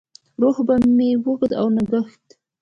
روح به مې وږم او نګهت،